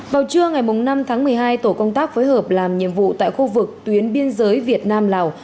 vào trưa ngày năm tháng một mươi hai tổ công tác phối hợp làm nhiệm vụ tại khu vực tuyến biên giới việt nam lào